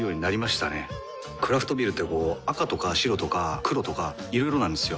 クラフトビールってこう赤とか白とか黒とかいろいろなんですよ。